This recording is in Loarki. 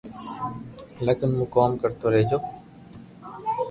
لگن مون ڪوم ڪرتو رھجو